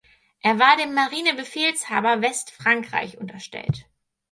Er war dem Marinebefehlshaber Westfrankreich unterstellt.